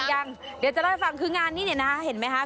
ยังเดี๋ยวจะเล่าให้ฟังคืองานนี้เนี่ยนะคะเห็นไหมคะ